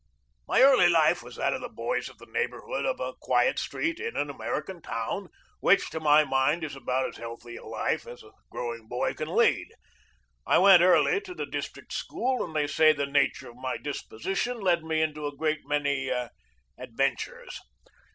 My early life was that of the boys of the neigh borhood of a quiet street in an American town, which, to my mind, is about as healthy a life as a growing boy can lead. I went early to the district school, and they say the nature of my disposition led me into a great many adventures.